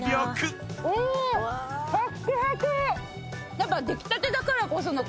やっぱ。